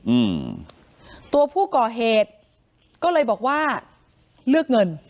อืมตัวผู้ก่อเหตุก็เลยบอกว่าเลือกเงิน